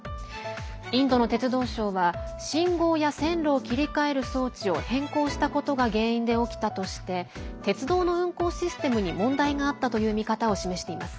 インドの鉄道相は信号や線路を切り替える装置を変更したことが原因で起きたとして鉄道の運行システムに問題があったという見方を示しています。